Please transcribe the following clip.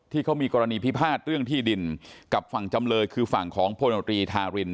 ที่เขามีกรณีพิพาทเรื่องที่ดินกับฝั่งจำเลยคือฝั่งของพลตรีธาริน